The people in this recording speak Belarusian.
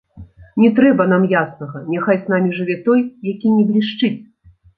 Не трэба нам яснага, няхай з намі жыве той, які не блішчыць.